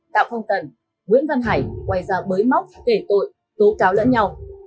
tạo phong tần nguyễn văn hải quay ra bới móc kể tội tố cáo lẫn nhau